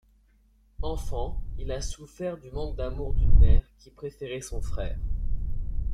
Enfant, il a souffert du manque d'amour d'une mère qui préférait son frère.